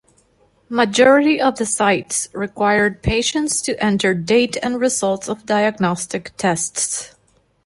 Majority of the sites required patients to enter date and results of diagnostic tests.